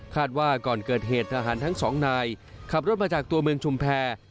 ว่าก่อนเกิดเหตุทหารทั้งสองนายขับรถมาจากตัวเมืองชุมแพร